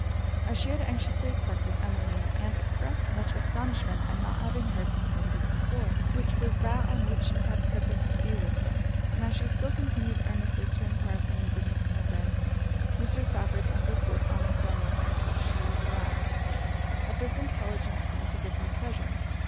As she had anxiously expected Emmeline, and expressed much astonishment at not having heard from her the week before, which was that on which she had purposed to be with her, and as she still continued earnestly to enquire for news of Miss Mowbray, Mr. Stafford insisted on informing her she was arrived; and this intelligence seemed to give her pleasure.